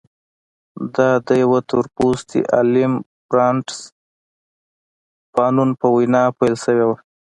دا د یوه تور پوستي عالم فرانټس فانون په وینا پیل شوې وه.